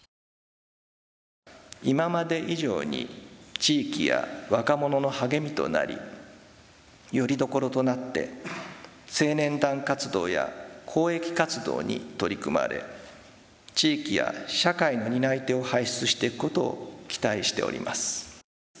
今まで以上に地域や若者の励みとなりよりどころとなって青年団活動や公益活動に取り組まれ、地域や社会の担い手を輩出していくことを期待しております。